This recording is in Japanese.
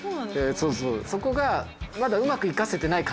そうそうそこが。